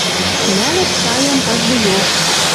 Нӓлӹт шаям каждыйок.